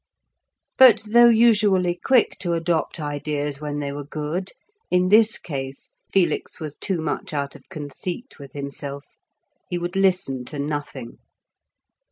But though usually quick to adopt ideas when they were good, in this case Felix was too much out of conceit with himself. He would listen to nothing.